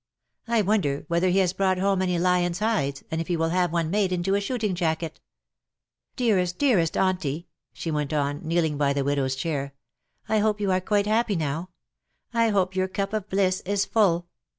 I wonder whether he has brought home any lions^ hides, and if he will have one made into a shooting jacket. Dear, dearest Auntie,^^ she went on, kneeling by the widow^s chair, " I hope you are quite happy now. I hope your cup of bliss is full."